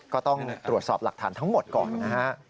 ก็ต้องตรวจสอบหลักฐานทั้งหมดก่อนนะฮะ